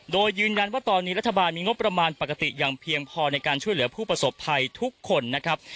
โดยยืนยันว่าตอนนี้รัฐบาลมีงบประมาณปกติอย่างเพียงพอในการช่วยเหลือผู้ประสบภัยทุกคนนะครับ